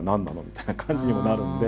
みたいな感じにもなるんで。